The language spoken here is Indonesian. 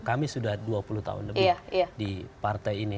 kami sudah dua puluh tahun lebih di partai ini